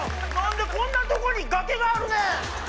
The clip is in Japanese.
何でこんなとこに崖があるねん！